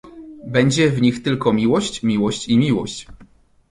"Będzie w nich tylko miłość, miłość i miłość!"